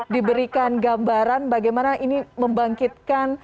diberikan gambaran bagaimana ini membangkitkan